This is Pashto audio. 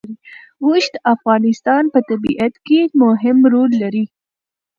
اوښ د افغانستان په طبیعت کې مهم رول لري.